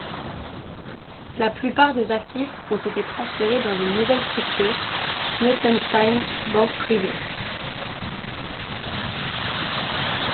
La plupart des actifs ont été transférés dans une nouvelle structure, Notenstein banque privée.